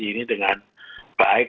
ini dengan baik